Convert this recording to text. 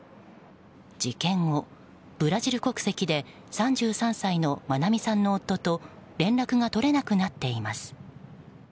事件後、ブラジル国籍で３３歳の愛美さんの夫と連絡が取れなくなっています。